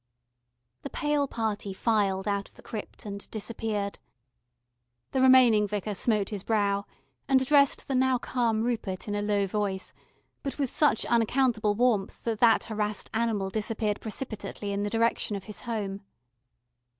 The pale party filed out of the crypt and disappeared. The remaining Vicar smote his brow, and addressed the now calm Rupert in a low voice, but with such unaccountable warmth that that harassed animal disappeared precipitately in the direction of his home.